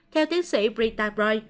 theo tiến sĩ britta browning